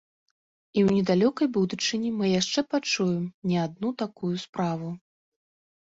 І ў недалёкай будучыні мы яшчэ пачуем не адну такую справу.